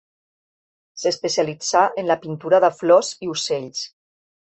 S'especialitzà en la pintura de flors i ocells.